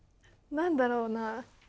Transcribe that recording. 何だろうな。